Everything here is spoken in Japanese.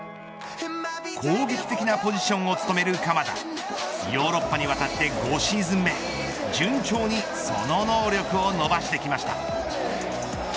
攻撃的なポジションを務める鎌田ヨーロッパに渡って５シーズン目順調にその能力を伸ばしてきました。